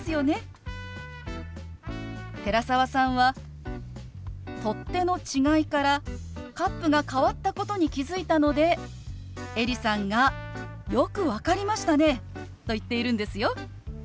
寺澤さんは取っ手の違いからカップが変わったことに気付いたのでエリさんが「よく分かりましたね！」と言っているんですよ。